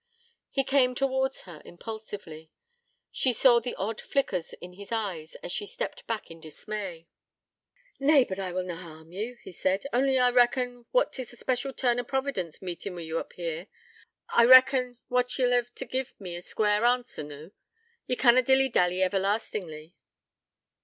He came towards her impulsively: she saw the odd flickers in his eyes as she stepped back in dismay. 'Nay, but I will na harm ye,' he said. 'Only I reckon what 'tis a special turn o' Providence, meetin' wi' ye oop here. I reckon what ye'll hev t' give me a square answer noo. Ye canna dilly dally everlastingly.'